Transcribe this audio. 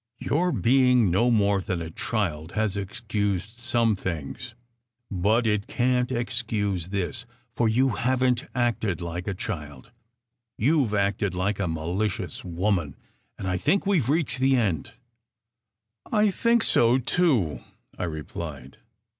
Your being no more than a child has excused some things, but it can t excuse this; for you haven t acted like a child. SECRET HISTORY 287 You ve acted like a malicious woman, and I think we ve reached the end." "I think so, too," I replied.